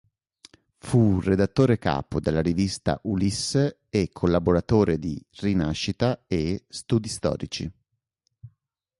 Fu redattore capo della rivista "Ulisse" e collaboratore di "Rinascita" e "Studi Storici".